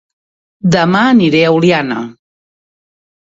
Dema aniré a Oliana